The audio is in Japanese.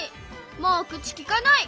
もう口きかない。